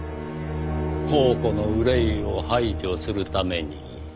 後顧の憂いを排除するために。